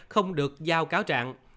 không được giao cáo trạng